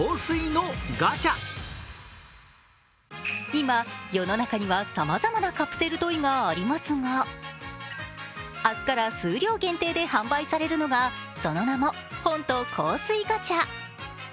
今、世の中にはさまざまなカプセルトイがありますが明日から数量限定で販売されるのがその名も、本と香水ガチャ。